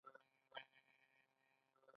ایا په خوب کې ګرځئ؟